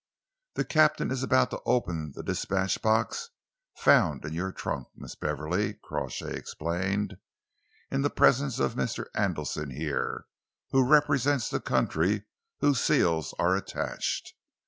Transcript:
"The captain is about to open the dispatch box found in your trunk, Miss Beverley," Crawshay explained, "in the presence of Mr. Andelsen here, who represents the country whose seals are attached.